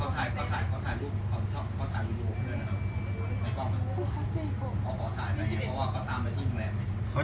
อันนี้เขารอบตัวไว้แล้ว